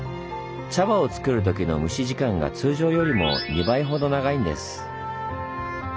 茶葉を作るときの蒸し時間が通常よりも２倍ほど長いんです。